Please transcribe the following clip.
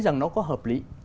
rằng nó có hợp lý